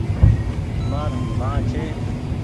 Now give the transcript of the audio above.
مآر مان ڇي۔